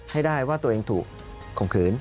ให้ได้ว่าตัวเองถูกข่มขืน